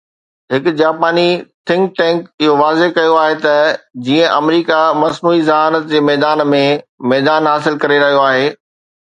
هڪ جاپاني think tank اهو واضح ڪيو آهي ته جيئن آمريڪا مصنوعي ذهانت جي ميدان ۾ ميدان حاصل ڪري رهيو آهي،